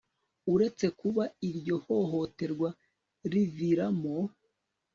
Uretse kuba iryo hohoterwa riviramo